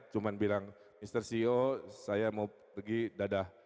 cuma bilang ister ceo saya mau pergi dadah